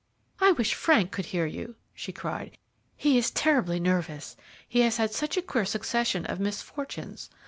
"I wish Frank could hear you," she cried; "he is terribly nervous. He has had such a queer succession of misfortunes.